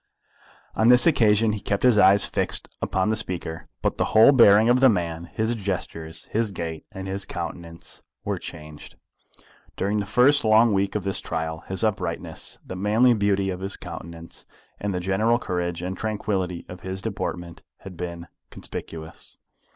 On this occasion he kept his eyes fixed upon the speaker. But the whole bearing of the man, his gestures, his gait, and his countenance were changed. During the first long week of his trial, his uprightness, the manly beauty of his countenance, and the general courage and tranquillity of his deportment had been conspicuous.